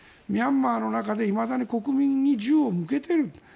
ミャンマーの中でいまだに国民に銃を向けている。